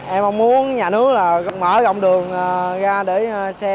em mong muốn nhà nước mở gọng đường ra để xe